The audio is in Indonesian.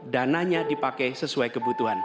dananya dipakai sesuai kebutuhan